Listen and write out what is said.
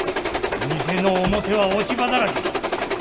店の表は落ち葉だらけ。